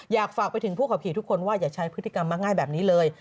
อยากฝากไปถึงผู้ขับขี่ทุกคนว่าอย่าใช้พฤติกรรมมากง่ายแบบนี้เลย